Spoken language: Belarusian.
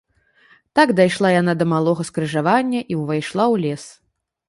Так дайшла яна да малога скрыжавання і ўвайшла ў лес.